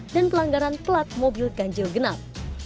dan pelanggaran pelat mobil ganjil genap